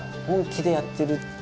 本気でやってる。